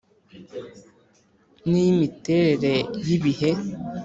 N’iy’imiterere y‘ibihe